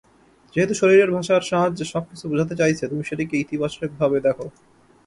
যেহেতু শরীরের ভাষার সাহায্যে সবকিছু বোঝাতে চাইছে, তুমি সেটিকে ইতিবাচকভাবে দেখো।